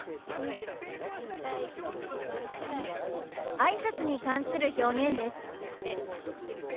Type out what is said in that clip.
「あいさつ」に関する表現です。